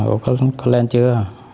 ủa có lên chưa